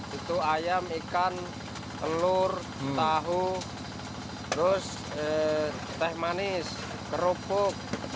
itu ayam ikan telur tahu terus teh manis kerupuk